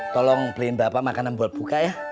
tolong beliin bapak makanan buat buka ya